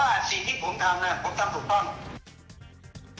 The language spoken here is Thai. เพราะว่าสิ่งที่ผมทำนะผมทำถูกต้อง